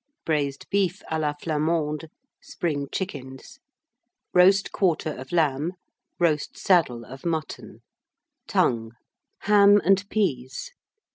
Braised Beef à la Flamande. Spring Chickens. Roast Quarter of Lamb. Roast Saddle of Mutton. Tongue. Ham and Peas.